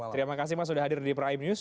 terima kasih mas sudah hadir di prime news